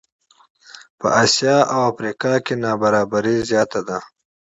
په آسیا او افریقا نابرابري زیاته ده.